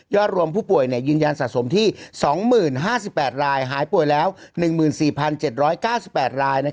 รวมผู้ป่วยยืนยันสะสมที่๒๐๕๘รายหายป่วยแล้ว๑๔๗๙๘ราย